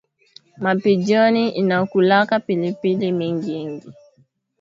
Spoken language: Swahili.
Ma pigeon inakulaka pilipili mingingi